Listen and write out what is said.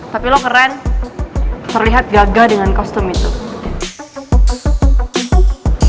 tapi lo keren terlihat gagah dengan kostum itu